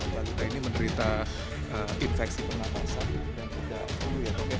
wanita ini menderita infeksi penafasan dan tidak ungu ya oke